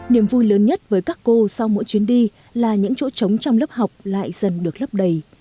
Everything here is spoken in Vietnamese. niềm vui lớn nhất với các cô sau mỗi chuyến đi là những chỗ trống trong lớp học lại dần được lấp đầy